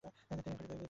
খুঁজো ডাইনি টাকে!